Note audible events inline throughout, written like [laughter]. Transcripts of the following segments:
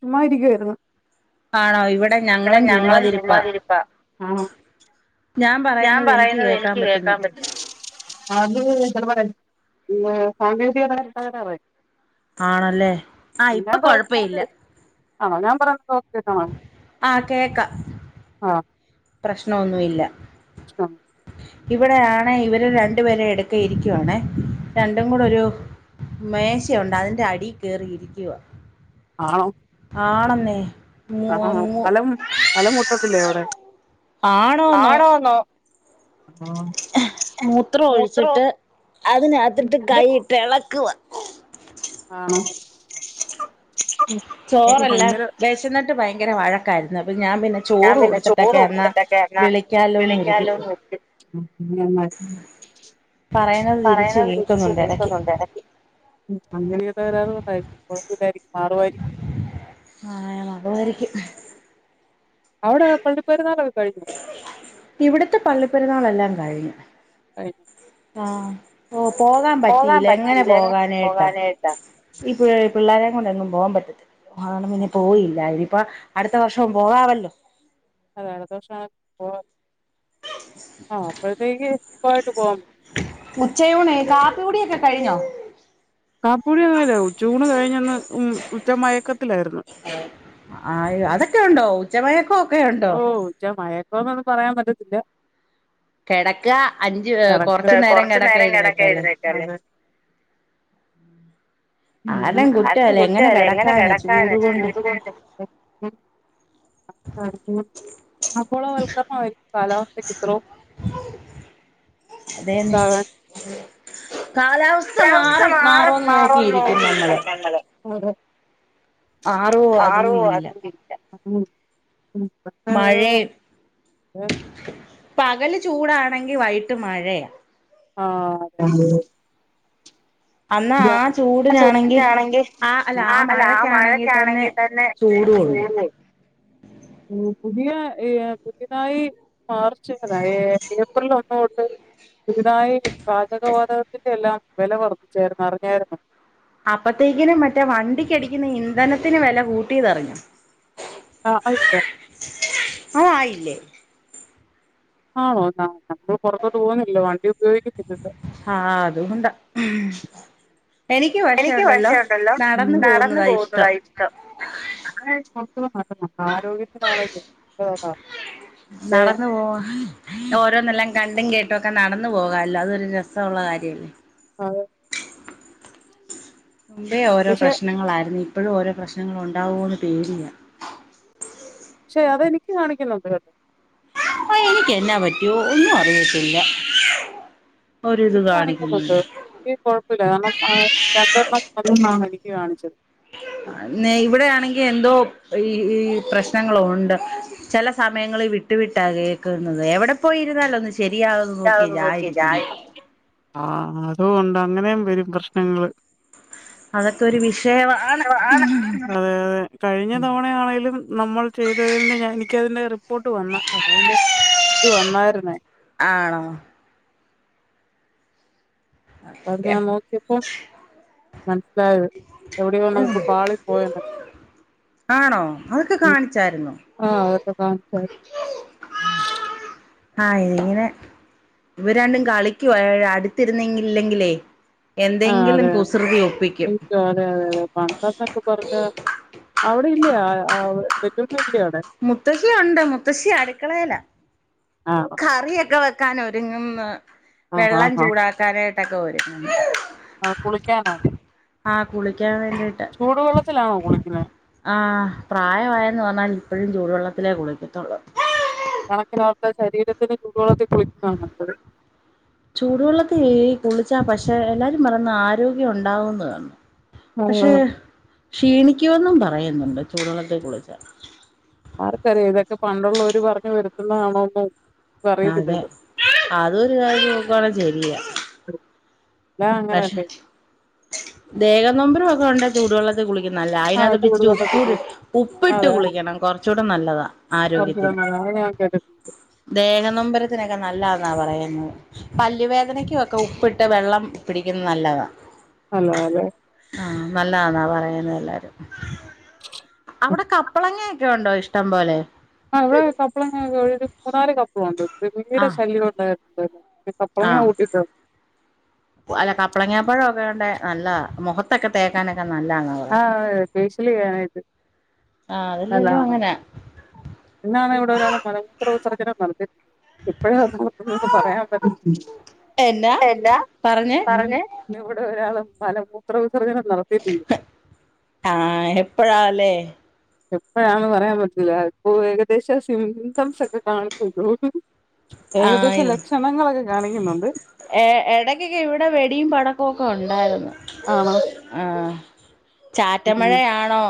ചുമ്മായിരിക്കുവായിരുന്നു ഇവിടെ ഞങ്ങളും ചുമ്മാതിരിപ്പ ആഹ് ഞാൻ പറയുന്നത് എനിക്ക് കേൾക്കാൻ പ അത് [unintelligible] പിന്നെ സാങ്കേതികത തകരാറേ ആണല്ലേ ആഹ് ഇപ്പൊ ഞാൻ കൊഴപ്പം പറയുന്നത് ഇല്ല. ആണോ ഞാൻ [unintelligible] ആഹ് പ്രശ്ന ഒന്നു ഇല്ല ആഹ് ഇവിടെയാണെ ഇവര് രണ്ടു പേരെ എടക്ക് ഇരിക്കുവാണേ രണ്ടും കൂടെ ഒരു മേശയുണ്ട് അതിന്റെ അടീ കേറിയിരിക്കുവാ. ആണോ? ആണെന്നേ മൂ മൂ [unintelligible] മുട്ടത്തില്ലേ അവടെ? ആണോന്നോ. മൂത്രം മൂത്രോ ഒഴിച്ചിട്ട് അതിനകത്തിട്ട് കൈയിട്ട് എളക്കുവാ. [unintelligible] എനിക്ക് ചോറല്ല ഭയങ്കര വെശന്നിട്ട് ഭയങ്കര വഴക്കായിരുന്നു അപ്പൊ ഞാൻ പിന്നെ ഞാൻ ചോറ് പിന്നെ ചോറ് കൊടുത്തിട്ടൊക്കെ എന്നാ കൊടുത്തിട്ടൊക്കെ എന്നാ വിളിക്കാലോന്നു കരുതി വിളിക്കാലോന്ന് വെച്ച് നന്നായി ഉം പറയ്ണത് തിരിച്ച് പറയുന്നത് കേക്കുന്നുണ്ട് എടക്കി. ഉം അങ്ങനെ തകരാർ കൊണ്ടായിരിക്കും കൊഴപ്പമില്ലായിരിക്കും മാറുവായിരിക്കും. ആഹ് അതുവായിരിക്കും അവിടെ പള്ളി പെരുന്നാളൊക്കെ കഴിഞ്ഞോ? ഇവിട്ത്തെ പള്ളിപ്പെരുന്നാളെല്ലാം കഴിഞ്ഞു [unintelligible] ആഹ് ഓഹ് പോകാൻ പറ്റിയില്ല എങ്ങനെ പോകാനായിട്ടാ ഈ പി പിള്ളേരെ കൊണ്ടെങ്ങും പോകാൻ പറ്റത്തില്ല അതോണ്ട് പിന്നെ ആഹ് പോയില്ല ഇനിപ്പം അടുത്ത വർഷവും പോകാവല്ലോ അതാണ്‌ പ്രഷ്ണ പോ ആഹ് അപ്പോഴത്തേക്ക് സുഖായിട്ട് പോകും ഉച്ചയൂണെ കാപ്പി കുടിയൊക്കെ കഴിഞ്ഞോ കാപ്പിയുടി [unintelligible] ഉച്ചൂയൂണ് കഴിഞ്ഞൊന്ന് ഉച്ചമയ ക്കത്തിലായിര്ന്നു ആഹ് അതൊക്കെ ഇണ്ടോ ഉച്ചമയക്കക്കെ ഉ ഓഹ് ഉച്ച മയക്കന്നൊന്നും പറയാൻ പറ്റത്തില്ല കിടക്ക അഞ്ച് കൊറച്ചു കിടക്ക നേരം എഴുന്നേക്കാല്ലേ കിടക്കായിരുന്നേക്കാരം ഉം ആർക്കും കുറ്റയില്ല എങ്ങനെ കെടക്കാനാ ചൂട് കൊണ്ട് [unintelligible] ആഗോളവൽക്കരണമായിരിക്കും കാലാവസ്ഥക്ക് ഇത്രോം അതേന്നെ ഇതാകാൻ കാലാവസ്ഥ മാറും മാറുംന്ന് നോക്കിയിരിക്കും നമ്മള് മാറോ അതും ഇല്ല [unintelligible] ഒരു മഴേം പകല് ചൂടാണെങ്കി വൈകിട്ട് മഴയാ ആഹ് [unintelligible] അന്നാ അതെ ആഹ് ചൂടിനാണെങ്കി അല്ല ആ ആഹ് അല്ല ആ മഴക്കാണെങ്കിൽ തന്നെ ചൂടുണ്ട് പുതിയെ ഇ പുതിയതായി മാർച്ച് അതായെ ഏപ്രിൽ ഒന്നുതൊട്ട് പുതുതായി പാചകവാതകത്തിന്റെ എല്ലാം വെല വർദ്ധിച്ചായിരുന്നു അറിഞ്ഞായിരുന്നോ അപ്പത്തേക്കിനും മറ്റേ വണ്ടിക്കടിക്കുന്ന ഇന്ധനത്തിന് വെല കൂട്ടിയതറിഞ്ഞൊ? [unintelligible] അത് ആയില്ലേ ആണോ എന്ന നമ്മളാ പൊറത്തോട്ട് പോകുന്നില്ല വണ്ടി ഉപയോഗിക്കുന്നില്ലല്ലോ ആഹ് അതുകൊണ്ടാ എനിക്ക് പക്ഷേ ഉണ്ടല്ലോ നടന്നു പോകുന്നതാ ഇഷ്ടം [unintelligible] ആരോഗ്യത്തിനാണേലും [unintelligible] പക്ഷെ നടന്ന് പോവാ ഓരോന്നെല്ലാം കണ്ടും കേട്ടുവൊക്കെ നടന്നു പോകാല്ലോ അതൊരു രസവുള്ള കാര്യല്ലേ അതെ മുമ്പേ ഓരോ പക്ഷെ പ്രശ്നങ്ങളായിരുന്നു ഇപ്പഴും ഓരോ പ്രശ്നങ്ങളുണ്ടാവുവോന്ന് പേടിയാ പക്ഷെ അതെനിക്ക് കാണിക്കുന്നുണ്ട് കേ ആ എനിക്ക് എന്നാ പറ്റിയേ ഒന്നും അറിയത്തില്ല ഒരിത് കാണിക്കുന്ന് എയ് കൊഴപ്പില്ല കാരണം രണ്ടണ്ണം അത്കൊണ്ടാണെനിക്ക് കാണിച്ചത് ന്നെ ഇവിടെയാണെങ്കി എന്തോ ഈ ഈ പ്രശ്നങ്ങളുണ്ട് ചെല സമയങ്ങളി വിട്ടു വിട്ടാ കേക്കുന്നത് എവിടെ പോയിരുന്നാലൊന്ന് ശരിയാ [unintelligible] ആഹ് അതുകൊണ്ട് അങ്ങനെയും വെരും പ്രശ്നങ്ങള് അങ്ങനത്തെ ഒരു വിഷയ വാ വിഷയവാണ് അതേ അതെ കഴിഞ്ഞ തവണ ആണെലും നമ്മൾ ചെയ്തതിന് ഞ എനിക്കതിന്റെ റിപ്പോർട്ട് വന്ന് അതയ്ന്റെ ഇത് വന്നായിര്ന്നേ ആണോ? അപ്പത് ഞാൻ നോക്കിയപ്പോ മനസിലായത് എവിടെയോ നമുക്ക് പാളി പോയന്ന് ആണോ അതൊക്കെ കാൺച്ചാര്ന്നൊ? ആഹ് അതൊക്കെ കാൺച്ചാര് ആഹ് ഇങ്ങനെ ഇവ രണ്ടും കളിക്ക്യുവാ അടുത്തിരുന്നെങ്കില്ലെങ്കിലേ ആഹ് എന്തെങ്കിലും അതെ കുസൃതി ഒപ്പിക്കും അതെ അതെ അതെ അതെ തെ പണ്ടന്നൊക്കെ പറഞ്ഞ അവിടെ ഇല്ലേ പെറ്റൾമ ഇല്ലേ അവിടെ മുത്തശ്ശി ഒണ്ട് മുത്തശ്ശി അടുക്കളേല അഹ് കറിയൊക്കെ വെക്കാനൊരുങ്ങ്ന്ന് ആഹ് വെള്ളം ആഹ് ചൂടാക്കാനായിട്ടൊക്കെ ഒരുങ്ങുന്ന് അഹ് കുളിക്കാനാണോ കുളിക്കാൻ ചൂടുവെള്ളത്തിലാണോ കുളിക്കുന്നെ? ആഹ് പ്രായമായെന്ന് പറഞ്ഞാലും ഇപ്പഴും ചൂടുവെള്ളത്തിലേ കുളിക്കത്തുള്ളൂ തണക്കിനോർത്ത ശരീരത്തിന് ചൂടു വെള്ളത്തി കുളിക്കുന്നാണ് നല്ലത് ചൂടുവെള്ളത്തി കുളിച്ചാ പക്ഷെ എല്ലാരും പറന്ന് ആരോഗ്യം ഉണ്ടാവൂന്ന്ന്ന് പക്ഷേ ആഹ് ക്ഷീണിക്ക്‌യോന്നും പറയുന്നുണ്ട് ചൂടള്ളത്തി കുളിച്ച ആർക്കറിയാം ഇതൊക്കെ പണ്ടുള്ളവര് പറഞ്ഞ് വരുത്തുന്നതാണോ എന്തോ അതെ അതൊരു കാര്യം നോക്കുവാണെ ശെരിയാ ല്ല അങ്ങനെല്ലേ ദേഗം നൊമ്പരൊക്കെ ഒണ്ടെചൂടുവെള്ളത്തി കുളിക്കുന്നെല്ല ആഹ് അയ്നാത്ത് ഇച്ചിരി ചൂടുവെള്ളത്തി ഉപ്പൂടിട്ട് കുളിക്കും ഉപ്പിട്ട് അതെ അതെ കുളിക്കണം കൊർച്ചൂടെ നല്ലതാ ആരോഗ്യത്തിന് ആ ഞാ കേട്ട്ട്ടി ദേഹനൊമ്പരത്തിനൊക്കെ നല്ലാന്നാ പറയുന്നത് പല്ലുവേദനയ്ക്കും ഒക്കെ ഉപ്പിട്ടെവെള്ളം പിടിക്കുന്നത് നല്ലതാ നല്ലതാല്ലെ ആഹ് നല്ലാന്നാ പറയുന്നെഎല്ലാരും [unintelligible] അവിടെ കപ്പളങ്ങേക്കെയുണ്ടോ ഇഷ്ടം പോലെ ആഹ് ഇവിടെ കപ്പളങ്ങ മൂന്നാല് കപ്പളുണ്ട് ആ പിരികടെ ശല്യം ഉണ്ടായിട്ടുണ്ടല്ലോ ആ കപ്പളങ്ങ ഊട്ടിത്തെ അല്ല കപ്പളങ്ങാപ്പഴൊക്കേണ്ടെ നല്ലതാ മുഖത്തൊക്കെ തേക്കാനൊക്കെ നല്ലാന്നാ ആഹ് ഫെയ്ഷലെയ്യാനായ്ട്ട് ആഹ് അതെല്ലേല്ലും അങ്ങന ഇന്നാണ് ഇവിടെ ഒരാള് മലമൂത്ര വിസർജ്നം നടത്തി ഇപ്പഴന്ന് പറയാൻ പറ്റ എന്നാ എല്ലാ പറഞ്ഞേ ഇന്നിവിടെ ഒരാള് മലമൂത്ര വിസർജനം നടത്തീട്ടിണ്ട് ആഹ് ഇപ്പഴാണല്ലേ? എപ്പഴാണ് പറയാൻ പറ്റില്ല ഇപ്പൊ ഏകദേശം സിഗനൽസ് ഒക്കെ കാണിക്കുള്ളൂ ഏകദേശം ആഹ് ലക്ഷണങ്ങളൊക്കെ കാണിക്കുന്നുണ്ട് എ എടയ്ക്കൊക്കെ ഇവിടെ വെടിയും പടക്ക വൊക്കെ ഒണ്ടാരുന്നു ആണോ ആഹ് ചാറ്റൽ ഉം മഴയാണോ?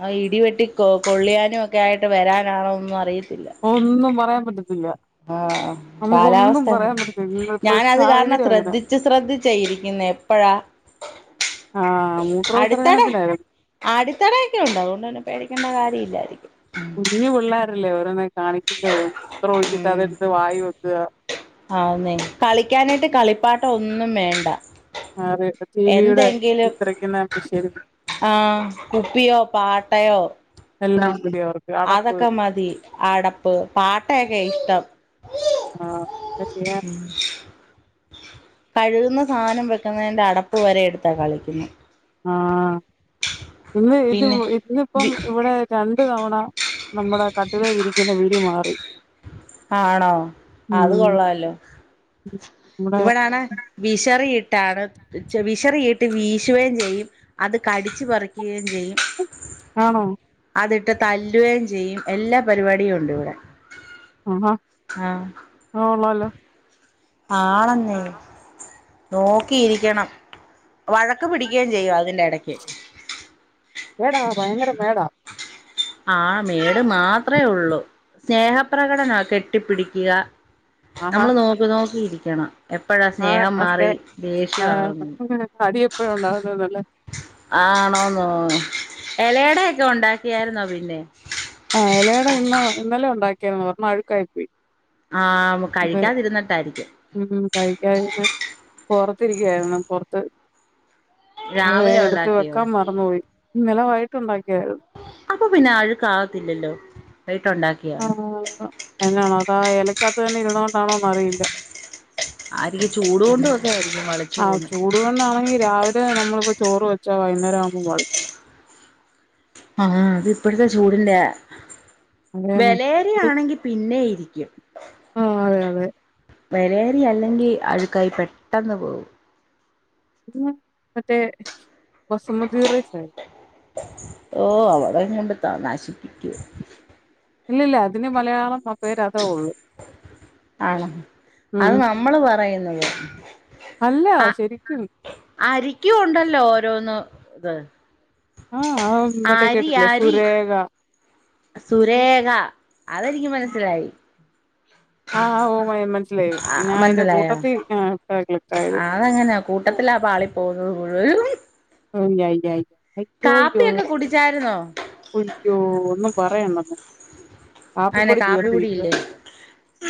ആഹ് ഇടിവെട്ടി കൊ കൊള്ളിയാനും ഒക്കെ ആയിട്ട് വരാനാണോന്നോന്നും അറിയത്തില്ല ഒന്നും പറയാൻ പറ്റത്തില്ല ആഹ് നമുക്കൊന്നും കാലാവസ്ഥ എന്താ പറയാൻ പറ്റത്തില്ല ഇന്ന് ഇപ്പോഴത്തെ ഞാനതു കാരണം സാഹചര്യം അങ്ങനെ ശ്രദ്ധിച്ചു ശ്രദ്ധിച്ച ഇരിക്കുന്നേ പ്പഴാ ആഹ് മൂത്രോ [unintelligible] അടിത്തടയൊക്കെ ഒണ്ട് അകൊണ്ട് പിന്നെ പേടിക്കേണ്ട കാര്യല്ലാരിക്കും കുഞ്ഞു പിള്ളോരല്ലേ ഓരോന്നൊക്കെ കാണിക്കുന്നേ മൂത്രം ഒഴിച്ചിട്ട് ഉം അതെടുത്ത് വായിവെക്ക ആന്നെ കളിക്കാനായിട്ട് കളിപ്പാട്ടൊന്നും വേണ്ട ആഹ് അതെ ടിവിയുടെ എന്തെങ്കിലും ചിത്രയ്ക്കുന്ന മിഷ്യന് ആഹ് കുപ്പിയോ പാട്ടയോ എല്ലാം [unintelligible] അതൊക്കെ മതി അടപ്പ് പാട്ടയൊക്കെയാ ഇഷ്ടം എന്താ ചെയ്യാ കഴുകുന്ന സാധനം വെക്കുന്നതിന്റെ അടപ്പ് വരെ എടുത്താ കളിക്കുന്നെ ആഹ് ഇന്ന് ഇത് പിന്നെ ഇന്നിപ്പം വി ഇവിടെ രണ്ടു തവണ നമ്മുടെ കട്ടിലെ വിരിക്കണ വിരി മാറി ആണോ അത് ഉം കൊള്ളല്ലോ നമ്മുടെ ഇവിടാണേ വിശറിയിട്ടാണ് വിശറിയിട്ട് വീശേം ചെയ്യും അത് കടിച്ചു പറിക്കേം ചെയ്യും ആണോ അതിട്ട് തല്ലുവേം ചെയ്യും എല്ലാ പരിപാടിയും ഒണ്ട് ഇവിടെ ആഹ് ഹാഹ് ആഹ് [unintelligible] ആണെന്നേ നോക്കിയിരിക്കണം വഴക്ക് പിടിക്കേം ചെയ്യും അതിന്റെ എട മേടാ ഭയങ്കര മേടാ ആ മേട് മാത്രെ ഒള്ളൂ സ്നേഹപ്രകടനാ കെട്ടിപ്പിടിക്ക ആഹാ നമ്മള് നോക്കി നോക്കി ഇരിക്കണം എപ്പഴാ ആ സ്നേഹം ഒക്കെ മാറി ആ ദേഷ്യമാവുന്ന്‌ [unintelligible] ആണോന്നോ എലയടയൊക്കെ ഒണ്ടാക്കിയാരുന്നോ പിന്നെ ഏഹ് എലയട ഇന്നോ ഇന്നലെ ഒണ്ടാക്കിയാരുന്നു ഒരെണ്ണം അഴുക്കായി പോയി ആഹ് അത് കഴിക്കാതിരുന്നിട്ടാരിക്കും ഉം കഴിക്കാതിപ്പെ പൊറത്തിരിക്കായിരുന്നു പൊറത്ത് അതെ രാവിലെ എടുത്ത് ഉണ്ടാക്കിയോ വെക്കാൻ മറന്നുപോയി ഇന്നലെ വൈയിട്ട് ഒണ്ടാക്കിയതാരുന്നു അപ്പൊ പിന്നെ അഴുക്കാവത്തില്ലല്ലോ വൈയിട്ടൊണ്ടാ ആഹ് എന്നാണോ അതാ എലയ്ക്കാത്ത് തന്നെ ഇരുന്നകൊണ്ടാണോന്ന് അറിയില്ല അതീ ചൂട് കൊണ്ട് ഒക്കെ ആയിരിക്കും വളിച് ആഹ് ചൂടു കൊണ്ടാണെങ്കി രാവിലെ നമ്മളിപ്പോ ചോറ് വെച്ചാ വൈന്നേരം ആവുമ്പോ വളിക് ആഹ് അത് ഇപ്പഴത്തെ ചൂടിന്റെയാ അതേന്നെ ചൂട് വെലേരിയാണെങ്കി പിന്നെ ഇരിക്കും ആഹ് അതെ അതെ വെലേരി അല്ലെങ്കി അഴുക്കായി പെട്ടെന്ന് പോവും [unintelligible] മറ്റേ ബസുമതി റൈസെ ഓഹ് അവടെ കൊണ്ടോട്ടാ നശിപ്പിക്കൂ ഇല്ലില്ലാ അതിന് മലയാളം ഫ പേര് അതേ ഉള്ളൂ ആണ് അത് ഉം നമ്മള് പറയുന്നത് അല്ലാ അ ശെരിക്കും അരിക്കും ഒണ്ടല്ലോ ഓരോന്ന് ഇത് ആഹ് ആ മറ്റേ അരി കേട്ടിട്ടില്ലേ അരി സൂരേഖ? സുരേഖ അതെനിക്ക് മനസ്സിലായി ആഹ് ഓ മൈ മനസ്സിലായി ആ ഞാൻ അയിന്റെ കൂട്ടത്തി ഇപ്പെയാ ക്ലിക്കായത് അത് അങ്ങനാ കൂട്ടത്തിലാ പാളി പോകുന്നത് മുഴുവനും [unintelligible] അയ്യോ അയ്യോ കാപ്പിയൊക്കെ കുടിച്ചായിരുന്നോ ഒയ്യോ ഒന്നും പറയണ്ടെന്നാ അയെന്നാ കാപ്പി കുടിയില്ലേ?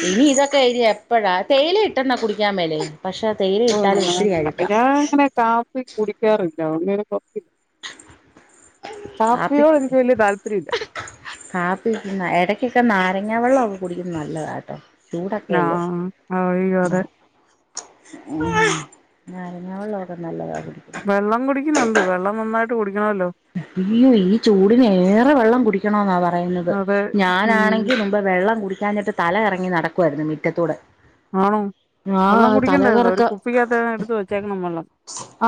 ഇനി ഇതൊക്കെ ഇനി എപ്പഴാ തേയില ഇട്ട് എന്ന കുടിക്കാം മേലേ? പക്ഷെ തേയി [unintelligible] ഞാനങ്ങനെ കാപ്പി കുടിക്കാറില്ല ഒന്നിനും കാപ്പി കാപ്പിക്ക് കാപ്പിയോടെനിക്ക് വല്ല്യ താല്പര്യല്ല കാപ്പി കുടിക്കുന്ന എടയ്ക്കൊക്കെ നാരങ്ങ വെള്ളവൊക്കെ കുടിക്കുന്നത് നല്ലതാട്ടോ ചൂടൊക്കെയല്ലേ ങ്ങാഹ് അയ്യോ അതെ നാരങ്ങ വെള്ളവൊക്കെ നല്ലതാ കുടിക്കാൻ വെള്ളം കുടിക്കുന്നുണ്ട് വെള്ളം നന്നായിട്ട് കുടിക്കണവല്ലോ? ഇയ്യോ ഈ ചൂടിനേറെ വെള്ളം കുടിക്കണോന്നാ പറയുന്നത് അതെ ഉം ഞാനാണെങ്കി ഇപ്പം വെള്ളം കുടിക്കാഞ്ഞിട്ട് തലകറങ്ങി നടക്കുവായിരുന്നു മിറ്റത്തൂടെ ആണോ? ആ വെള്ളം കുടിക്കേണ്ടാരുന്നോ ഒരു തലകറക്കം കുപ്പിക്കാത്തേനും എടുത്ത് വെച്ചേക്കണം വെള്ളം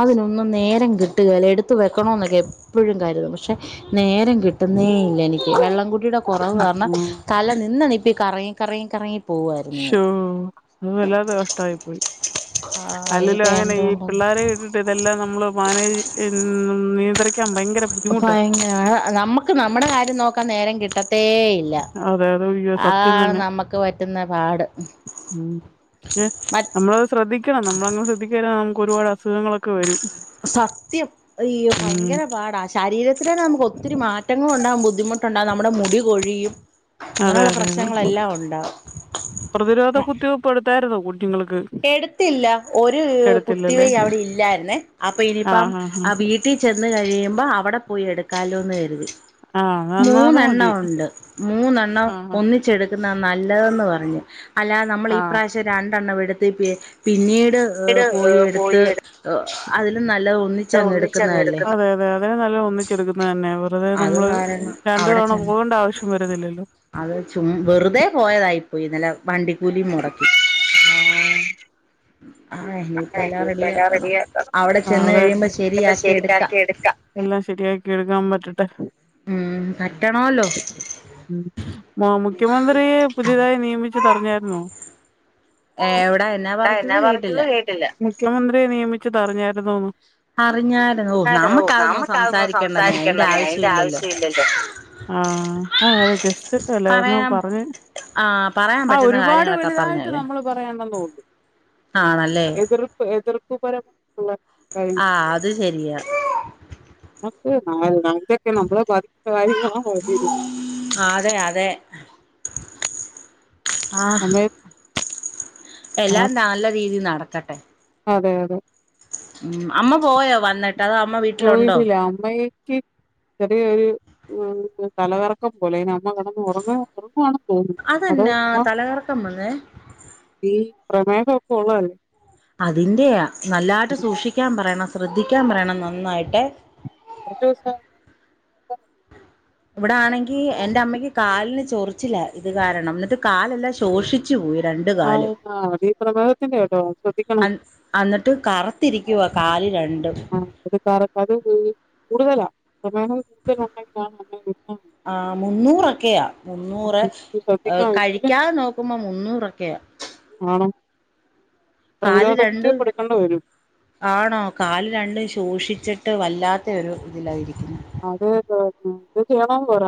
അതിനൊന്നും നേരം കിട്ടുകേല എടുത്ത് വെക്കണോന്നൊക്കെ എപ്പൊഴും കരുതും പക്ഷെ നേരം കിട്ടുന്നേ ഇല്ല എനിക്ക് വെള്ളംകുടിയുടെ കൊറവ് ഉം കാരണം തല നിന്ന നിപ്പി കറങ്ങി കറങ്ങി കറങ്ങി പോവായിരുന്നു ഞാൻ ശ്ശോ അത് വല്ലാത്ത കഷ്ട്ടായി പോയി ആ അല്ലേലും ഇനിയിപ്പോ അങ്ങനെയാ ഈ എന്തുകൊണ്ടോ പിള്ളേരെയി യിട്ട് ഇതെല്ലാം നമ്മള് മാനേജ് ചെയ് നിയന്ത്രിക്കാൻ ഭയങ്കര ബു ഭയങ്കരാ അതെ നമ്മക്ക് നമ്മടെ കാര്യം നോക്കാൻ നേരം കിട്ടത്തേയില്ല അതെ അതെ അയ്യോ സത്യം അതാണ് തന്നെ നമ്മക്ക് പറ്റുന്ന പാട് ഉം പക്ഷെ മ നമ്മളത് ശ്രദ്ധിക്കണം നമ്മളങ്ങനെ ശ്രദ്ധിക്കാതിരുന്നാ നമുക്കൊരുപാട് അസുഖങ്ങളൊക്കെ വരും സത്യം അയ്യൊ ഉം ഭയങ്കര പാടാ ശരീരത്തിനന്നെ നമുക്കൊത്തിരി മാ റ്റങ്ങളുണ്ടാവും ബുദ്ധിമുട്ടുണ്ടാവും നമ്മുടെ മുടികൊഴിയും അതെ അങ്ങനുള്ള അതെ അതെ പ്രശ്നങ്ങളെല്ലാം ഉണ്ടാവും പ്രതിരോധ കുത്തിവെപ്പ്‌ എടുത്തായിരുന്നോ കൊച്ചുങ്ങൾക്ക്? എടുത്തില്ല ഒരു കുത്തിവെയ്‌ അവിടെ ഇല്ലായിരുന്നേ അപ്പൊ ഇനിയിപ്പം ആഹ് വീ വീട്ടി ചെന്ന് കഴിയുമ്പോ അവടെ പോയി എടുക്കാലോന്ന് കരുതി ആഹ് ആഹ് എന്നാ അത് മൂന്നെണ്ണം മതി ഒണ്ട് മൂന്നെണ്ണം ആഹ് ഒന്നി ച്ചെടുക്കുന്നതാ നല്ലതെന്ന് പറഞ്ഞു അല്ലാതെ നമ്മള് ഈ ആഹ് പ്രാവിശ്യം രണ്ടെണ്ണം എടു ത്ത് പിന്നീട് ഏഹ് വീട് പോയി എടുത്ത് അതിലും നല്ലത് ഒന്നിച്ചങ്ങ് എടുക്കുന്നതല്ലേ? അതിലും നല്ലത് ഒന്നിച്ചെടുക്കുന്നതന്നെ യാ വെറുതെ അത് നമ്മള് കാരണം രണ്ടു അവിടെ തവണ ചെന്ന് പോകേണ്ടാവിശ്യം വരുന്നില്ലല്ലോ അത് ചും വെറുതെ പോയതായിപ്പോയി ഇന്നലെ വണ്ടി കൂലിം മൊടക്കി അതന്നെ താങ്ക്യൂ എല്ലാം റെഡിയാക്കാം ആഹ് അതെ എന്ന ശരിയാക്കി എടുക്കാം എല്ലാം ശരിയാക്കി യെടുക്കാൻ പറ്റട്ടെ ഉം പറ്റണോല്ലോ ഉം മ മുഖ്യമന്ത്രിയെ പുതിയതായി നിയമിച്ചത് അറിഞ്ഞായിരുന്നോ ഏ എവിടാ എന്നാ പറിച്ചത് കേട്ടില്ല ട്ടില്ല മുഖ്യമന്ത്രിയെ നിയമിച്ചത് അറിഞ്ഞാരുന്നോന്ന് അത ഓ നമുക്കതൊന്നും സംസാരിക്കണ്ടന്ന അതിന്റെ ആവശ്യം ഇല്ലല്ലോ ആഹ് ആഹ് ജസ്റ്റ് ഹലോ പറയാം പറഞ്ഞ്. ആഹ് പറയാൻ ആഹ് പറ്റുന്ന ഒരുപാട് കാര്യങ്ങളൊക്കെ വലുതായിട്ട് പറഞ്ഞല്ലേ നമ്മള് പറയണ്ടെന്നെ ഉള്ളൂ. ആണല്ലേ എതിർപ്പ് എതിർപ്പ് പറ ആഹ് അത് ശരിയാ. [unintelligible] അതെ അതെ ആഹ്. സമയത്ത് ആ, എല്ലാം നല്ല രീതിൽ നടക്കട്ടെ. അതെ അതെ. ഉം അമ്മ പോയോ വന്നിട്ട് അതോ അമ്മ വീട്ടിലുണ്ടോ? അമ്മക്കി ചെറിയൊരു തലകറക്കം പോലെ അയിന് അമ്മ കിടന്ന് ഒറങ്ങ ഒറങ്ങുവണ്. അതെന്നാ തലകറക്കം വന്നെ? ഈ പ്രമേഹം ഒക്കെ ഉള്ളതല്ലേ. അതിൻന്റെയ നല്ലായിട്ട് ഉം. സൂക്ഷിക്കാൻ പറയണം ശ്രദ്ധിക്കാൻ പറയണം നന്നായിട്ട്. കുറച്ച് ദിവസം. ഇവിടെ ആണെങ്കി എന്റെ അമ്മയ്ക്ക് കാലിന് ചൊറിച്ചില ഇത് കാരണം എന്നിട്ട് കാലെല്ലാം ശോഷി ഷിച്ച് പോയി രണ്ട്. ആഹ് കാലും അത് ഈ പ്രമേഹത്തിന്റെ കേട്ടോ ശ്രദ്ധിക്കണം. അന്നിട്ട് കറുത്തിരിക്കുവ കാല് രണ്ടും. [unintelligible] ആഹ് മുന്നൂറൊക്കെയാ മുന്നൂറ് ശ്രദ്ധിക്കണം ഇൻസുലിൻ കഴിക്കാതെ നോക്കുമ്പോ മുന്നൂറൊക്കെയാ. ആണോ കാല് രണ്ട് എടുക്കേണ്ടി വരും ആണോ കാല് രണ്ടും ശോഷിച്ചിട്ട് വല്ലാത്ത ഒരു ഇതിലായിരിക്കുന്ന അത് ഇപ്പോ ഏത് ചെയ്യാണോന്ന് പറ.